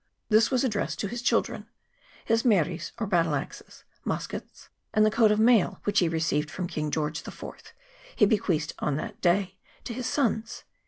This was addressed to his children. His meris, or battle axes, muskets, and the coat of mail which he received from King George IV., he bequeathed on that day to his sons.